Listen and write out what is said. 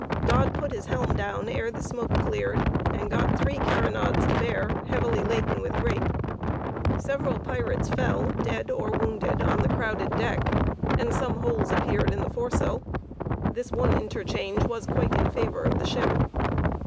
Dodd put his helm down ere the smoke cleared, and got three carronades to bear, heavily laden with grape. Several pirates fell, dead or wounded, on the crowded deck, and some holes appeared in the foresail; this one interchange was quite in favor of the ship.